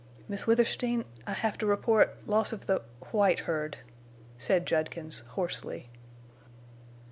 "Miss Withersteen, I have to report—loss of the—white herd," said Judkins, hoarsely.